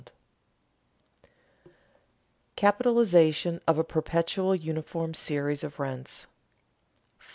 [Sidenote: Capitalization of a perpetual uniform series of rents;] 4.